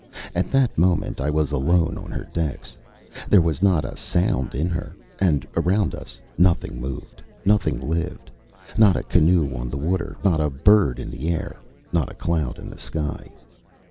At that moment I was alone on her decks. There was not a sound in her and around us nothing moved, nothing lived, not a canoe on the water, not a bird in the air, not a cloud in the sky.